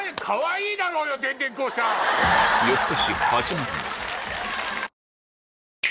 かわいいだろうよ！